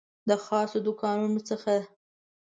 د خاصو دوکانونو څخه